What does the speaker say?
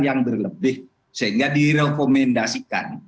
yang berlebih sehingga direkomendasikan